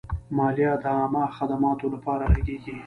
مالیه د عامه خدماتو لپاره لګیږي.